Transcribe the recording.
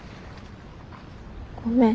ごめん。